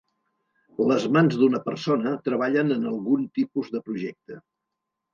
Les mans d'una persona treballen en algun tipus de projecte.